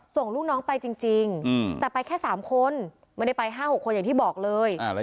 ส่งลูกน้องไปจริงแต่ไปแค่๓คนไม่ได้ไป๕๖คนอย่างที่บอกเลย